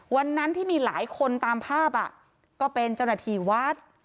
วันนั้นที่มีหลายคนตามภาพก็เป็นเจ้าหน้าที่วัด